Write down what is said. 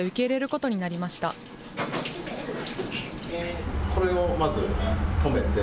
これをまずとめて。